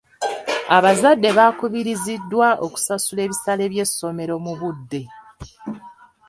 Abazadde baakubiriziddwa okusasula ebisale by'essomero mu budde.